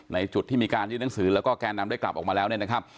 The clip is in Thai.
ในจุดที่มีการยื่นหนังสือแล้วก็แกนนำได้กลับออกมาแล้วเนี่ยนะครับ